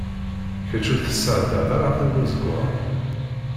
Kečč ur tsɛeddaḍ ara tabuzeggaɣt.